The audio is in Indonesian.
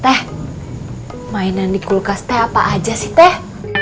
teh mainan di kulkas teh apa aja sih teh